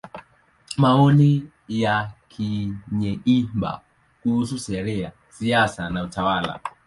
Maoni ya Kanyeihamba kuhusu Sheria, Siasa na Utawala.